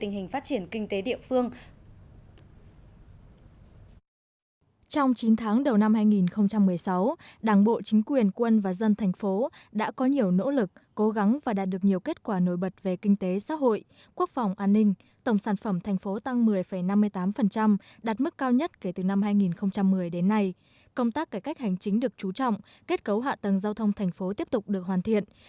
hãy đăng ký kênh để ủng hộ kênh của chúng mình nhé